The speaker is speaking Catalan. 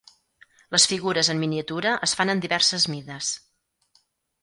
Les figures en miniatura es fan en diverses mides.